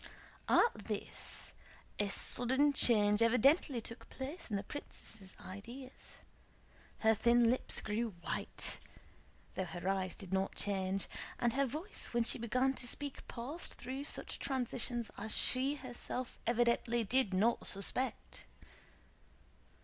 At this a sudden change evidently took place in the princess' ideas; her thin lips grew white, though her eyes did not change, and her voice when she began to speak passed through such transitions as she herself evidently did not expect.